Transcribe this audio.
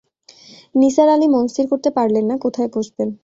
নিসার আলি মনস্থির করতে পারলেন না কোথায় বসবেন।